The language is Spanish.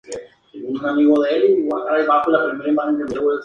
No hay variedades silvestres.